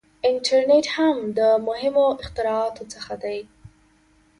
• انټرنېټ هم د مهمو اختراعاتو څخه دی.